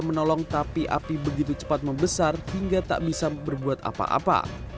menolong tapi api begitu cepat membesar hingga tak bisa berbuat apa apa